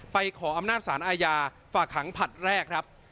ขออำนาจสารอาญาฝากขังผลัดแรกครับ